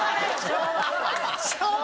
昭和？